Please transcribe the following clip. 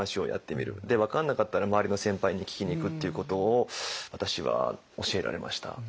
で分かんなかったら周りの先輩に聞きにいくっていうことを私は教えられました。